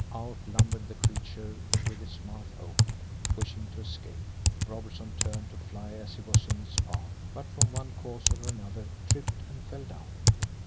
Out lumbered the creature with its mouth open, wishing to escape. Robertson turned to fly as he was in its path, but from one cause or another, tripped and fell down.